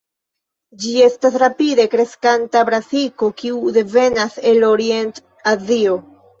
Ĝi estas rapide kreskanta brasiko, kiu devenas el Orient-Azio.